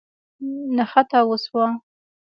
نښته وسوه.